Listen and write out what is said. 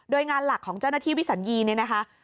โดยงานหลักของเจ้าหน้าที่วิสัญญีเนี่ยนะคะ